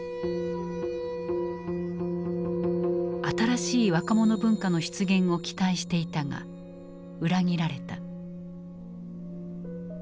新しい若者文化の出現を期待していたが裏切られた。